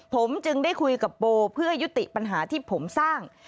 ผมจึงได้คุยกับโบเพื่อยุติปัญหาที่ผมสร้าง